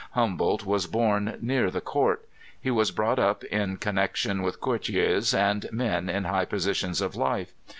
Hum boldt was born near the Court He was brought up in connec tion with courtiers and men in high positions of life.